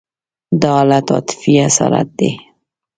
دا حالت عاطفي اسارت دی.